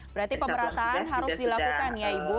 berarti pemerataan harus dilakukan ya ibu